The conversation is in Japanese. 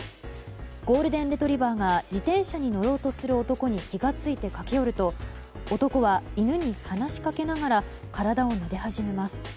ゴールデンレトリバーが自転車に乗ろうとする男に気が付いて駆け寄ると男は、犬に話しかけながら体をなで始めます。